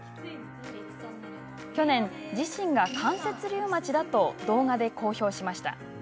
去年、自身が関節リウマチだと動画で公表しました。